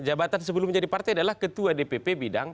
jabatan sebelum menjadi partai adalah ketua dpp bidang